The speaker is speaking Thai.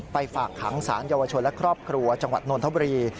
ฝากขังสารเยาวชนและครอบครัวจังหวัดนนทบุรี